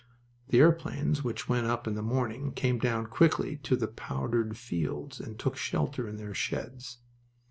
The airplanes which went up in the morning came down quickly to the powdered fields and took shelter in their sheds.